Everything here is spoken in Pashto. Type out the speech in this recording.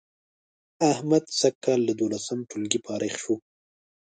احمد سږ کال له دولسم ټولگي فارغ شو